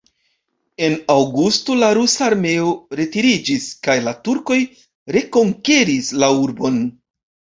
En aŭgusto, la rusa armeo retiriĝis kaj la turkoj rekonkeris la urbon.